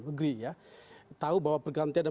negeri ya tahu bahwa pergantian